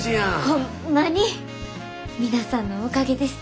ホンマに皆さんのおかげです。